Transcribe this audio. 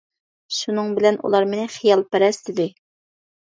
شۇنىڭ بىلەن ئۇلار مېنى «خىيالپەرەس» دېدى.